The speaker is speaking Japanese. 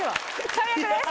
最悪です。